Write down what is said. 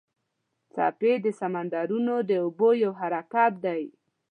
څپې د سمندرونو د اوبو یو حرکت دی.